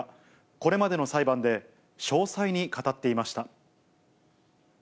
これまでの裁判で詳細に語っていました。